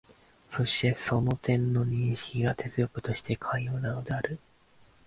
そしてその点の認識が哲学にとって肝要なのである。